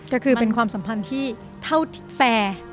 ก็คือเป็นความสัมพันธ์ที่เท่าที่แฟร์